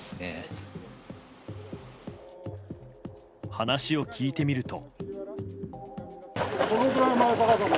話を聞いてみると。